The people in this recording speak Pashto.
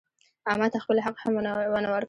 احمد خپل حق هم ونه ورکړ.